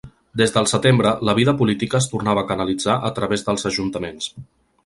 Des del setembre la vida política es tornava a canalitzar a través dels ajuntaments.